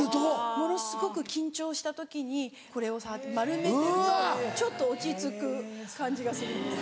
ものすごく緊張した時にこれを触って丸めてるとちょっと落ち着く感じがするんです。